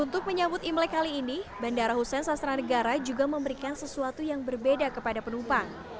untuk menyambut imlek kali ini bandara hussein sastra negara juga memberikan sesuatu yang berbeda kepada penumpang